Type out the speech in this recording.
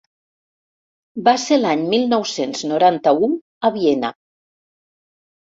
Va ser l'any mil nou-cents noranta-u, a Viena.